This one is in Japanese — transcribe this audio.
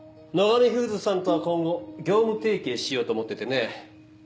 野上フーズさんとは今後業務提携しようと思っててね。